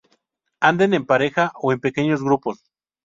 Andan en pareja o en pequeños grupos.